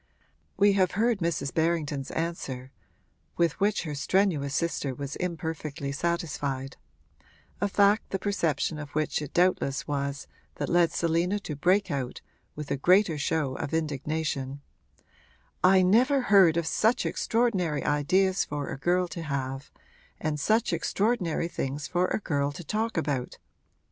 We have heard Mrs. Berrington's answer, with which her strenuous sister was imperfectly satisfied; a fact the perception of which it doubtless was that led Selina to break out, with a greater show of indignation: 'I never heard of such extraordinary ideas for a girl to have, and such extraordinary things for a girl to talk about!